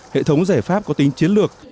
hệ thống giải pháp có tính chiến lược